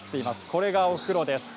これが、お風呂です。